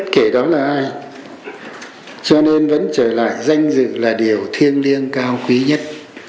kể đó là ai cho nên vẫn trở lại danh dự là điều thiêng liêng cao quý nhất